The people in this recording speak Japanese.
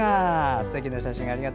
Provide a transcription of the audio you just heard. すてきな写真。